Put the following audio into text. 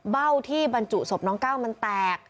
เบ้าที่บรรจุศพน้องก้าวมันแตก